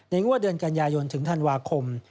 งวดเดือนกันยายนถึงธันวาคม